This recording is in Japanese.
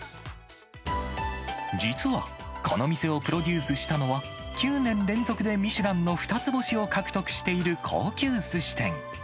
実はこの店をプロデュースしたのは、９年連続でミシュランの２つ星を獲得している高級すし店。